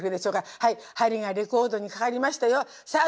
はい針がレコードにかかりましたよ。さあ